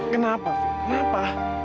kenapa fik kenapa